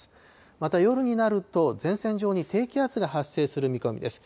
また、夜になると、前線上に低気圧が発生する見込みです。